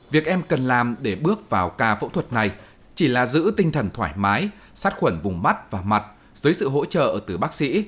việc em cần làm để bước vào ca phẫu thuật này chỉ là giữ tinh thần thoải mái sát khuẩn vùng mắt và mặt dưới sự hỗ trợ từ bác sĩ